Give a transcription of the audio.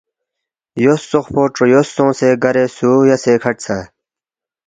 یوس ژوخپو ٹرویوس سونگسے گیرے سُو یاسے کھڈ سا